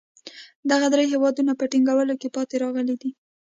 دغه درې هېوادونه په ټینګولو کې پاتې راغلي دي.